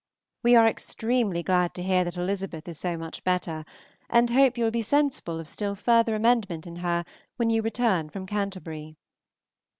We are extremely glad to hear that Elizabeth is so much better, and hope you will be sensible of still further amendment in her when you return from Canterbury.